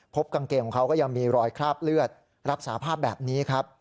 กางเกงของเขาก็ยังมีรอยคราบเลือดรับสาภาพแบบนี้ครับ